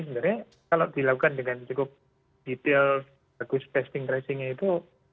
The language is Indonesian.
sebenarnya kalau dilakukan dengan cukup detail bagus testing tracingnya itu